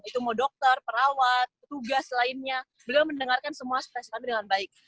itu mau dokter perawat tugas lainnya beliau mendengarkan semua spesies kami dengan baik